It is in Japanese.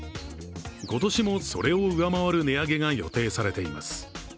今年もそれを上回る値上げが予定されています。